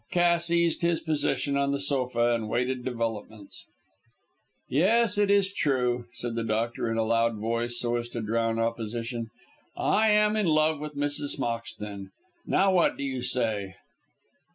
Cass eased his position on the sofa and waited developments. "Yes, it is true," said the doctor, in a loud voice, so as to drown opposition. "I am in love with Mrs. Moxton. Now, what do you say?"